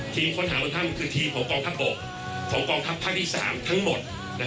ค้นหาบนถ้ำคือทีมของกองทัพบกของกองทัพภาคที่๓ทั้งหมด